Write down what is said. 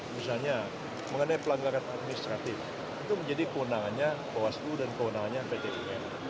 misalnya mengenai pelanggaran administratif itu menjadi kewenangannya bawaslu dan kewenangannya pt un